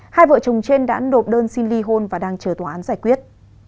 hai vợ chồng trên đã nộp đơn xin ly hôn và đang chờ tòa án giải quyết